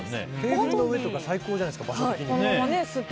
テーブルの上とか最高じゃないですか、場所的に。